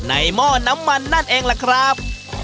หม้อน้ำมันนั่นเองล่ะครับ